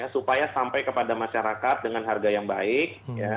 supaya sampai kepada masyarakat dengan harga yang baik